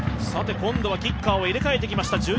今度はキッカーを入れ替えてきました。